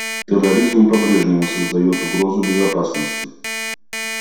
Терроризм по-прежнему создает угрозу безопасности.